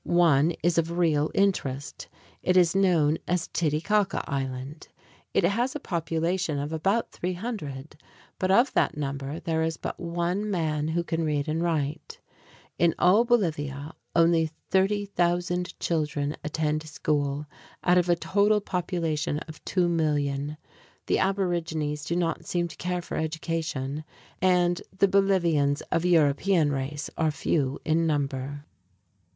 One is of real interest. It is known as Titicaca Island. It has a population of about 300, but of that number there is but one man who can read and write. In all Bolivia, only 30,000 children attend school, out of a total population of 2,000,000. The aborigines do not seem to care for education, and the Bolivians of European race are few in number.